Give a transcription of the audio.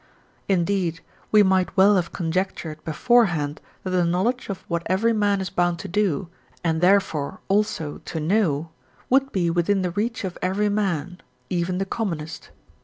Indeed we might well have conjectured beforehand that the knowledge of what every man is bound to do, and therefore also to know, would be within the reach of every man, even the commonest.